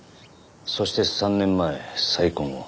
そして３年前再婚を。